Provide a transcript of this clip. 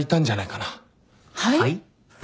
はい？